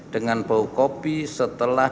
dengan bau kopi setelah